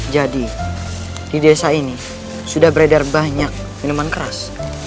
jadi di desa ini sudah beredar banyak minuman keras